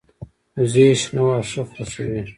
وزې شنه واښه خوښوي